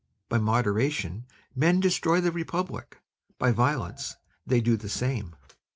By moderation men destroy the Republic; by violence they do the same.